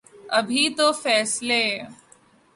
ابھی تو فیصلے